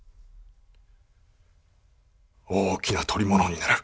大きな捕り物になる。